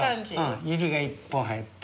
指が１本入って。